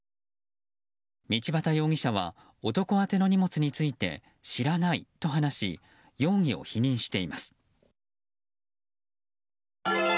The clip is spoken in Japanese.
道端容疑者は男宛ての荷物について知らないと話し容疑を否認しています。